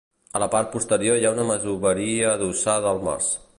A la part posterior hi ha una masoveria adossada al mas.